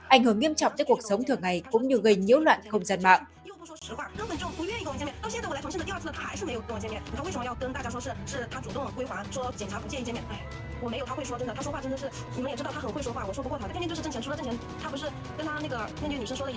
ảnh hưởng nghiêm trọng tới cuộc sống thường ngày cũng như gây nhiễu loạn không gian mạng